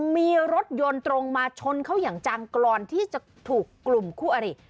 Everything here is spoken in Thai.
มีรถยนต์ตรงมาชนเขาอย่างจังกรอนที่จะถูกกลุ่มคู่อริ